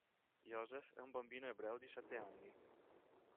Joseph è un bambino ebreo di sette anni.